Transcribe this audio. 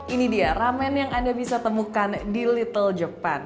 ini dia ramen yang anda bisa temukan di little japan